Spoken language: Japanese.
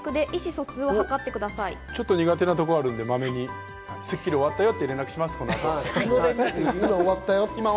ちょっと苦手なところがあるんで、マメに『スッキリ』終わったよって連絡します。